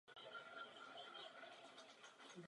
K tomu je velice zapotřebí budovat důvěry.